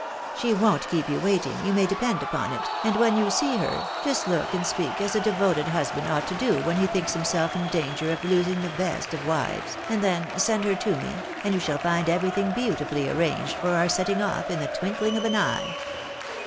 She won't keep you waiting, you may depend upon it, and, when you see her, just look and speak as a devoted husband ought to do when he thinks himself in danger of losing the best of wives, and then send her to me, and you shall find everything beautifully arranged for our setting off in the twinkling of an eye."